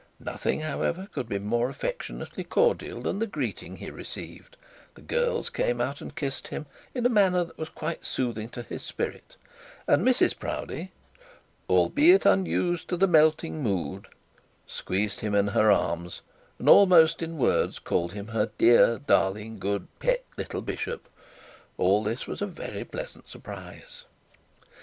Nothing, however, could be more affectionately cordial than the greeting he received; the girls came out and kissed him in a manner that was quite soothing to his spirit; and Mrs Proudie, arms, and almost in words called him her dear, darling, good, pet, little bishop. All this was a very pleasant surprise.